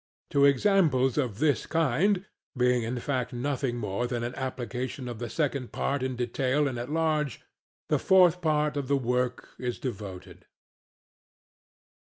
To examples of this kind, being in fact nothing more than an application of the second part in detail and at large, the fourth part of the work is devoted.